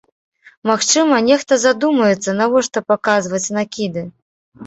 Магчыма, нехта задумаецца, навошта паказваць накіды.